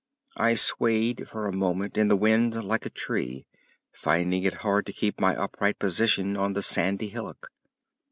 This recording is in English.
I swayed for a moment in the wind like a tree, finding it hard to keep my upright position on the sandy hillock.